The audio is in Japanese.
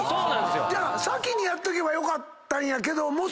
じゃあ先にやっとけばよかったんやけども。